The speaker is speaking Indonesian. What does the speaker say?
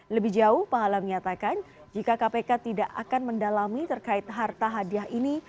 lebih jauh pahala menyatakan jika kpk tidak akan mendalami terkait harta hadiah ini